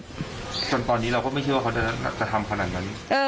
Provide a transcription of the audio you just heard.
จนตอนนี้เราก็ไม่เชื่อว่าเขาจะทำขนาดนั้น